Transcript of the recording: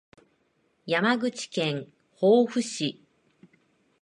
山口県防府市